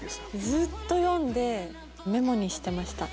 ずっと読んでメモにしてました。